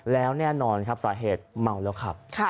แล้วแน่นอนสาเหตุเมาแล้วครับ